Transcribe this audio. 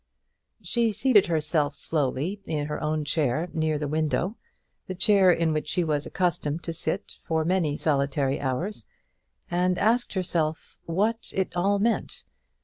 She seated herself slowly in her own chair near the window, the chair in which she was accustomed to sit for many solitary hours, and asked herself what it all meant.